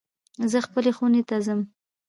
زه خپلی خونی ته ځم